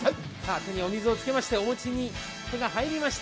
手にお水をつけましてお餅に手が入りました。